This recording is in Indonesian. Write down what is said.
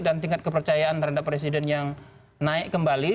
dan tingkat kepercayaan terhadap presiden yang naik kembali